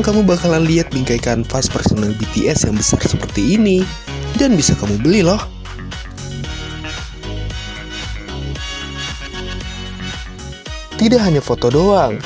dari awal kita buka kena rp enam puluh sembilan itu antrian itu sudah sangat mudah